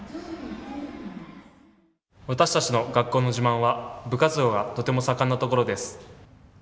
私たちの学校の自慢は部活動がとても盛んな所です。